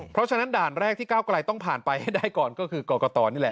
เพราะฉะนั้นด่านแรกที่ก้าวกลายต้องผ่านไปให้ได้ก่อนก็คือกรกตนี่แหละ